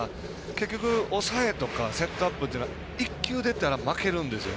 結局、抑えとかセットアップというのは１球出たら、負けるんですよね。